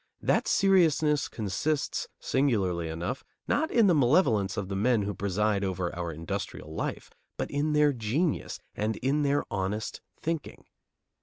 That seriousness consists, singularly enough, not in the malevolence of the men who preside over our industrial life, but in their genius and in their honest thinking.